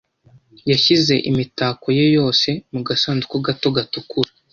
Yashyize imitako ye yose mu gasanduku gato gatukura.